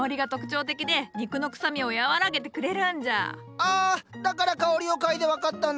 あだから香りを嗅いで分かったんだ。